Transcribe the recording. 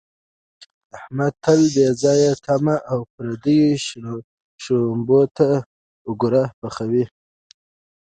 احمد تل بې ځایه تمې او پردیو شړومبو ته اوګره پحوي.